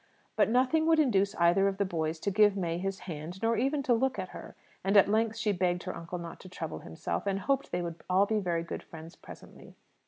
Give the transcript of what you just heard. '" But nothing would induce either of the boys to give May his hand, nor even to look at her; and at length she begged her uncle not to trouble himself, and hoped they would all be very good friends presently.